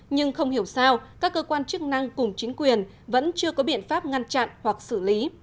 nhưng không hiểu sao các cơ quan chức năng cùng chính quyền vẫn chưa có biện pháp ngăn chặn hoặc xử lý